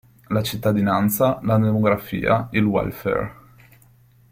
La cittadinanza, la demografia, il welfare.